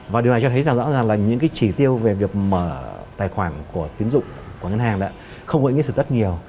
và điều này cho thấy là rõ ràng là những cái chỉ tiêu về việc mở tài khoản của tín dụng của ngân hàng không có ý nghĩa thực rất nhiều